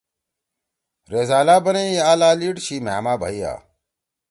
ریزالا بنَئی آ لا لیِڑ چھی مھأما بھئیا